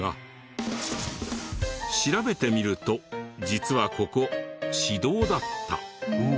調べてみると実はここ私道だった。